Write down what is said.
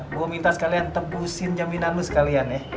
gue minta sekalian tebusin jaminan lu sekalian ya